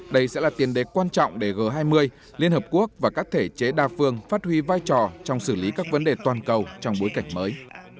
đây sẽ là tiền đế quan trọng để g hai mươi liên hợp quốc và các thể chế đa phương phát huy vai trò trong xử lý các vấn đề toàn cầu trong bối cảnh mới